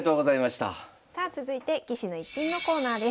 さあ続いて「棋士の逸品」のコーナーです。